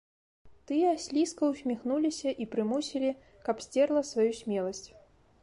Тыя слізка ўсміхнуліся і прымусілі, каб сцерла сваю смеласць.